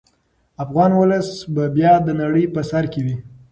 افغان ولس به بیا د نړۍ په سر کې وي.